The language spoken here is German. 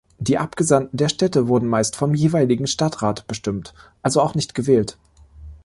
Die Abgesandten der Städte wurden meist vom jeweiligen Stadtrat bestimmt, also auch nicht gewählt.